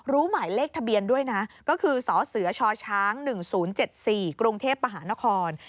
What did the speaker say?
หมายเลขทะเบียนด้วยนะก็คือสสช๑๐๗๔กรุงเทพมหานคร